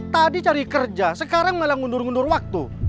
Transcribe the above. tadi cari kerja sekarang malah ngundur mundur waktu